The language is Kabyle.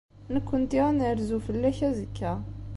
Nekkenti ad nerzu fell-ak azekka.